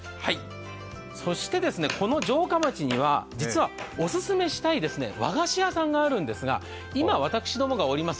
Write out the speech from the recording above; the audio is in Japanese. そしてこの城下町には実はオススメしたい和菓子屋さんがあるんですが、今、私どもがおります